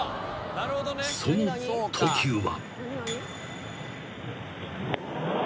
［その投球は］